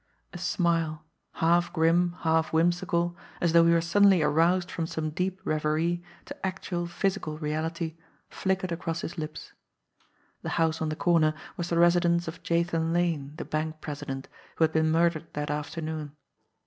A smile, half grim, half whimsical, as though he were sud denly aroused from some deep reverie to actual physical reality, flickered across his lips. The house on the corner was the residence of Jathan Lane, the bank president, who had been murdered that afternoon.